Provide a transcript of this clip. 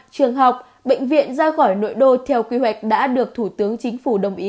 trường học bệnh viện ra khỏi nội đô theo quy hoạch đã được thủ tướng chính phủ đồng ý